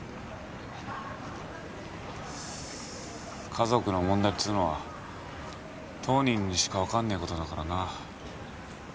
家族の問題っつうのは当人にしか分かんねえことだからな。